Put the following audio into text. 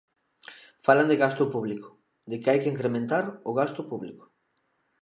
Falan de gasto público, de que hai que incrementar o gasto público.